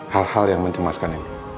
hal hal yang mencemaskan ini